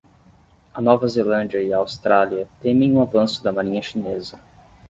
A Nova Zelândia e a Austrália temem o avanço da marinha chinesa